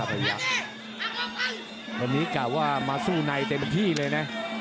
วันนี้กล่าวว่ามาสู้ในเต็มที่เลยนะ